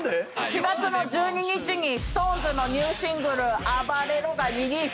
４月の１２日にＳｉｘＴＯＮＥＳのニューシングル『ＡＢＡＲＥＲＯ』がリリース。